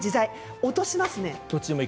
落とします。